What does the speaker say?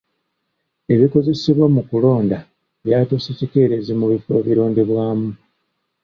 Ebikozesebwa mu kulonda byatuuse kikeerezi mu bifo ebironderwamu.